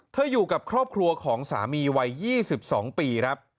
อยู่กับครอบครัวของสามีวัย๒๒ปีครับ